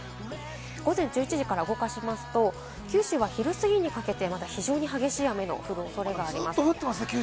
午前１１時から動かしますと、九州は昼過ぎにかけて非常に激しい雨の降るおそれがあります。